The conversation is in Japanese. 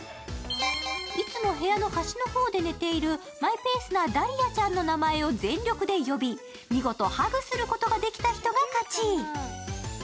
いつも部屋の端の方で寝ているマイペースなダリアちゃんの名前を全力で呼び、見事ハグすることができた人が勝ち。